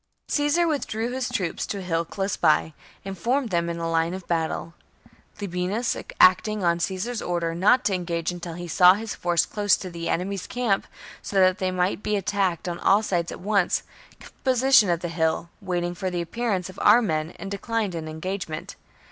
Caesar withdrew his troops to a hill close by, and formed them in line of battle. Labienus, acting on Caesar's order not to engage until he saw his force close to the enemy's camp, so that they might be attacked on all sides at once, kept possession of the hill, waiting for the appearance of ou* men, and declined an engagement.